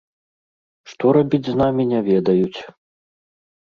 Што рабіць з намі, не ведаюць.